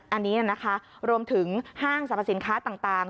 อันนี้นะคะรวมถึงห้างสรรพสินค้าต่าง